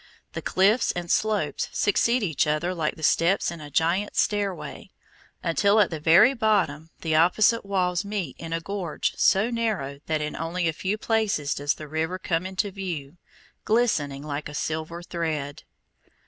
The cliffs and slopes succeed each other like the steps in a giant stairway, until at the very bottom the opposite walls meet in a gorge so narrow that in only a few places does the river come into view, glistening like a silver thread.